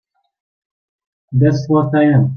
That's what I am.